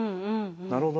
なるほどね。